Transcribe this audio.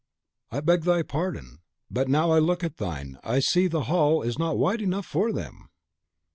I beg thy pardon, but now I look at thine, I see the hall is not wide enough for them."